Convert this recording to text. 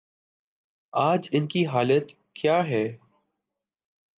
آج ان کی حالت کیا ہے؟